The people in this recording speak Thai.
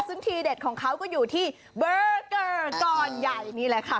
ซึ่งทีเด็ดของเขาก็อยู่ที่เบอร์เกอร์ก่อนใหญ่นี่แหละค่ะ